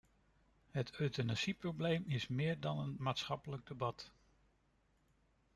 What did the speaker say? Het euthanasieprobleem is meer dan een maatschappelijk debat.